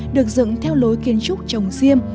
được dựng theo lối kiến trúc trồng xiêm